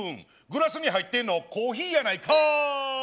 グラスにはいってんのコーヒーやないかい！